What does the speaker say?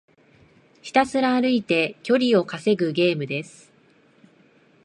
ひたすら歩いて距離を稼ぐゲームです。